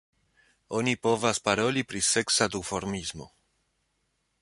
Oni povas paroli pri seksa duformismo.